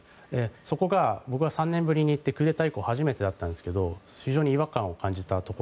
そこが、僕は３年ぶりに行ってクーデター以降初めてだったんですが非常に違和感を感じました。